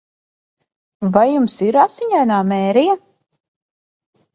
Vai jums ir Asiņainā Mērija?